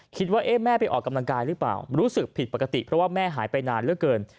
คิดว่าแม่ไปออกกำลังกายหรือเปล่ารู้สึกผิดปกติเพราะว่าแม่หายไปนานเหลือเกิน